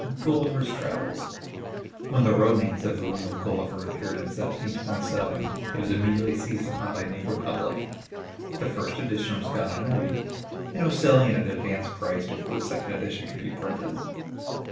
GULLIVER'S TRAVELS When the romance of Lemuel Gulliver appeared in 1727 it was immediately seized upon by an eager public. The first edition was gone in a week and was selling at an advanced price before the second edition could be printed.